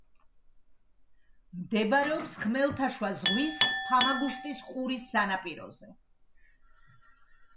მდებარეობს ხმელთაშუა ზღვის ფამაგუსტის ყურის სანაპიროზე.